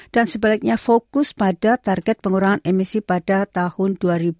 dan sebaliknya fokus pada target pengurangan emisi pada tahun dua ribu lima puluh